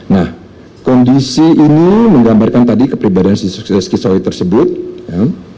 nah kondisi ini menggambarkan tadi kepribadian sisawi tersebut ya